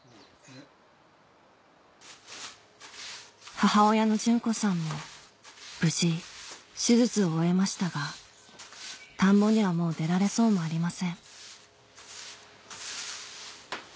母親の淳子さんも無事手術を終えましたが田んぼにはもう出られそうもありません